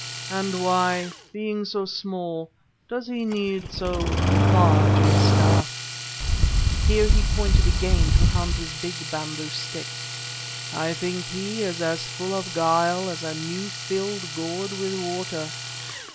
And why, being so small, does he need so large a staff?" Here he pointed again to Hans's big bamboo stick. "I think he is as full of guile as a new filled gourd with water.